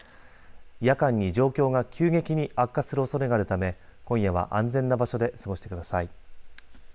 夜間に状況が急激に悪化するおそれがあるため、今夜は安全な場所で過ごしてください。